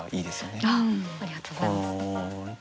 ありがとうございます。